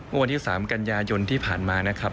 เมื่อวันที่๓กันยายนที่ผ่านมานะครับ